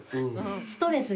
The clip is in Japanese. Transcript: ストレス？